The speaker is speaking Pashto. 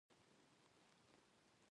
د شپې بي بي سي او امریکا غږ راډیو اوري.